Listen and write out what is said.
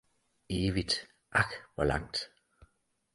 Evigt, ak hvor langt